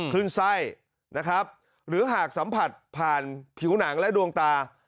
ขึ้นไส้นะครับหรือหากสัมผัสผ่านผิวหนังและดวงตา